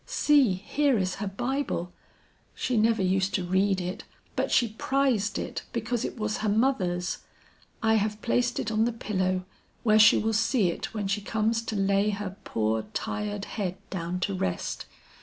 See, here is her bible. She never used to read it, but she prized it because it was her mother's. I have placed it on the pillow where she will see it when she comes to lay her poor tired head down to rest."